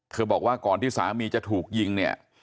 บอกว่าก่อนที่สามีจะถูกยิงเนี่ย